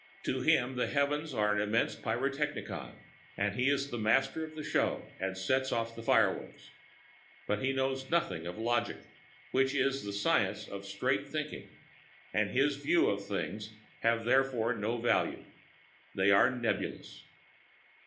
To him the heavens are an immense pyrotechnicon and he is the master of the show and sets off the fireworks. But he knows nothing of logic, which is the science of straight thinking, and his views of things have therefore no value; they are nebulous.